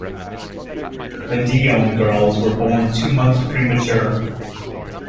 The Dionne girls were born two months premature.